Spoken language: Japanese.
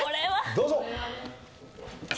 どうぞ。